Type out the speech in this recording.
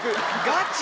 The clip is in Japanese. ガチ？